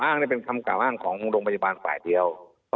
อันนี้เป็นคำกล่าวอ้างของโรงพยาบาลฝ่ายเดียว